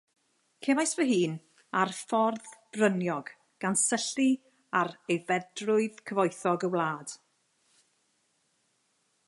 Cefais fy hun ar ffordd fryniog, gan syllu ar aeddfedrwydd cyfoethog y wlad.